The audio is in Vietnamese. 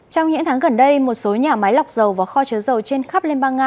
trong những tháng gần đây một số nhà máy lọc dầu và kho chứa dầu trên khắp liên bang nga